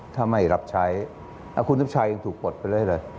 ถ้าไม่รับใช้คุณทัพชายยังถูกปลดไปเลย